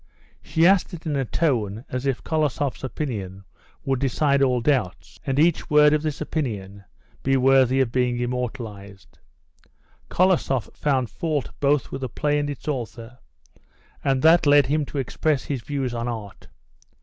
She asked it in a tone as if Kolosoff's opinion would decide all doubts, and each word of this opinion be worthy of being immortalised. Kolosoff found fault both with the play and its author, and that led him to express his views on art.